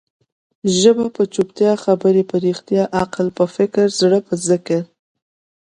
ژبه په چوپتيا، خبري په رښتیا، عقل په فکر، زړه په ذکر.